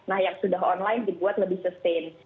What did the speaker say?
nah yang sudah online dibuat lebih sustain